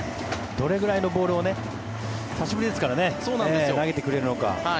どれぐらいのボールを久しぶりですからね投げてくれるのか。